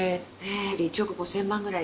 １億５０００万円ぐらい。